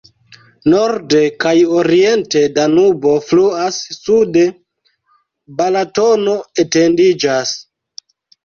Norde kaj oriente Danubo fluas, sude Balatono etendiĝas.